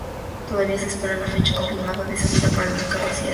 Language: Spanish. Todavía se espera la fecha confirmada de salida para el mercado occidental.